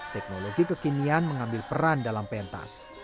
teknologi kekinian mengambil peran dalam pentas